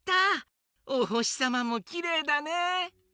おほしさまもきれいだね！